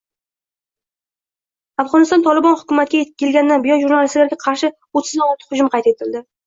Afg‘onistonda Tolibon hokimiyatga kelganidan buyon jurnalistlarga qarshio´ttizdan ortiq hujum qayd etildi